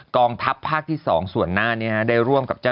กองทัพภาคที่๒ใซว่นน่ะได้ร่วมกับ